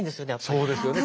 そうですよね。